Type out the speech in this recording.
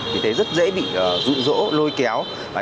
vì thế rất dễ bị rụng rỗ lôi kéo